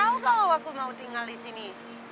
belum tau kalau aku mau tinggal di sini